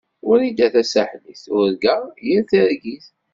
Wrida Tasaḥlit turga yir targit.